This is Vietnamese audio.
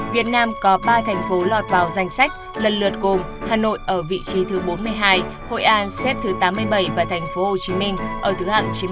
việt nam có ba thành phố lọt vào danh sách lần lượt gồm hà nội ở vị trí thứ bốn mươi hai hội an xếp thứ tám mươi bảy và thành phố hồ chí minh ở thứ chín mươi chín